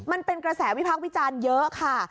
มันเป็นกระแสวิพักษ์วิจารณ์เยอะค่ะ